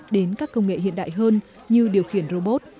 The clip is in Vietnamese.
đến các công nghệ hiện đại hơn như điều khiển robot